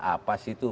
apa sih itu